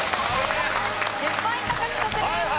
１０ポイント獲得です。